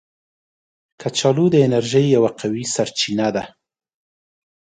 کچالو د انرژي یو قوي سرچینه ده